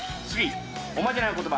おまじないの言葉